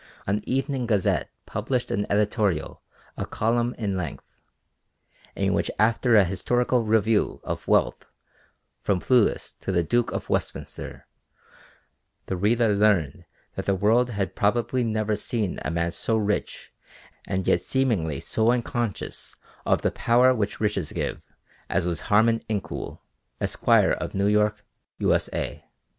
An evening gazette published an editorial a column in length, in which after an historical review of wealth from Plutus to the Duke of Westminster, the reader learned that the world had probably never seen a man so rich and yet seemingly so unconscious of the power which riches give as was Harmon Incoul, esq., of New York, U. S. A.